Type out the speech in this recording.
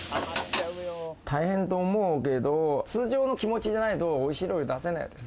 大変と思うけど、通常の気持ちじゃないと、おいしい料理出せないです。